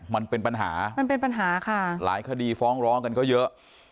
มันเป็นปัญหามันเป็นปัญหาค่ะหลายคดีฟ้องร้องกันก็เยอะ